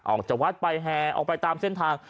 ออกจากวัดไปแห่ออกไปตามเส้นทาง